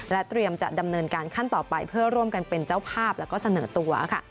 เตรียมจะดำเนินการขั้นต่อไปเพื่อร่วมกันเป็นเจ้าภาพแล้วก็เสนอตัวค่ะ